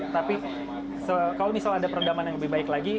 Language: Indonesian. tapi kalau misalnya ada peredaman yang lebih baik lagi